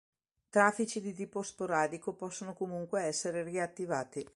Traffici di tipo sporadico possono comunque essere riattivati.